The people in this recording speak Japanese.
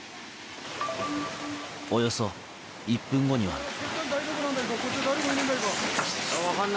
およそ１分後には。